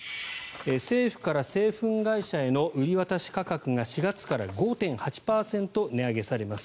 政府から製粉会社への売り渡し価格が４月から５．８％値上げされます。